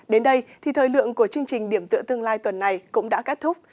đến đây thì thời lượng của chương trình điểm tựa tương lai tuần này cũng đã kết thúc